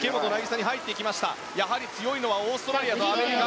やはり強いのはオーストラリアとアメリカ。